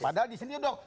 padahal disini udah